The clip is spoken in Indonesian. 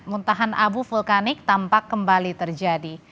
muntahan abu vulkanik tampak kembali terjadi